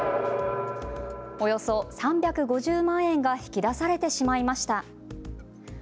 およそ３５０万円が引き出されてしまいました。